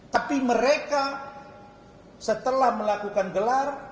tapi mereka setelah melakukan gelar